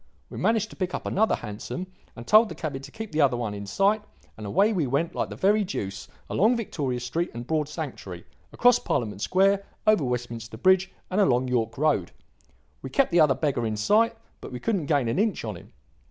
We managed to pick up another hansom and told the cabby to keep the other one in sight, and away we went like the very deuce; along Victoria Street and Broad Sanctuary, across Parliament Square, over Westminster Bridge and along York Road; we kept the other beggar in sight, but we couldn't gain an inch on him.